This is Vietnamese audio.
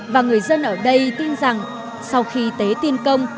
và người dân ở đây tin rằng sau khi tế tin công